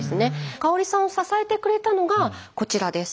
香さんを支えてくれたのがこちらです。